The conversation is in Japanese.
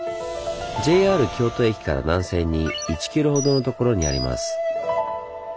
ＪＲ京都駅から南西に１キロほどのところにあります。